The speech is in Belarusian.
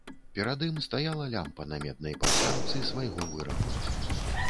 Перад ім стаяла лямпа на меднай падстаўцы свайго вырабу.